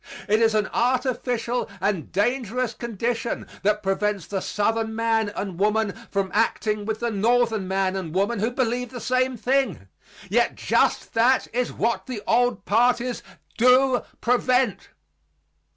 It is an artificial and dangerous condition that prevents the southern man and woman from acting with the northern man and woman who believe the same thing. Yet just that is what the old parties do prevent.